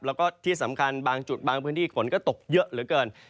แล้วก็ที่สำคัญบางจุดบางพื้นที่ฝนก็ตกเยอะเหลือเกิน